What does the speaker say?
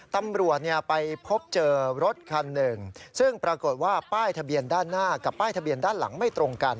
ตำรวจไปพบเจอรถคันหนึ่งซึ่งปรากฏว่าป้ายทะเบียนด้านหน้ากับป้ายทะเบียนด้านหลังไม่ตรงกัน